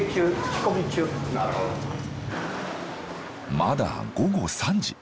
まだ午後３時。